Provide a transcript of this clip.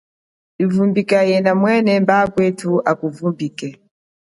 Livumbike yena mwena mba akwenu aku vumbike.